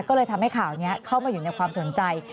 ก็เลยทำให้ข่าวนี้เข้ามาอยู่ในความสนใจ